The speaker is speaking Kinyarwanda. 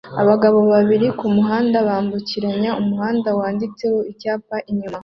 Abagabo babiri kumuhanda wambukiranya umuhanda wanditseho icyapa inyuma